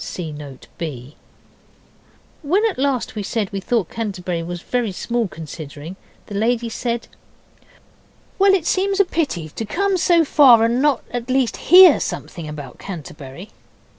(See Note B.) When at last we said we thought Canterbury was very small considering, the lady said 'Well, it seemed a pity to come so far and not at least hear something about Canterbury.